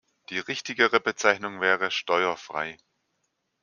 Die richtigere Bezeichnung wäre "steuerfrei".